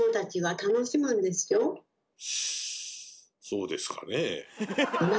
そうですかねぇ。